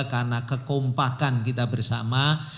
karena kekompakan kita bersama